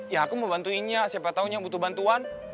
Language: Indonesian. ya aku mau bantuinnya siapa tahunya yang butuh bantuan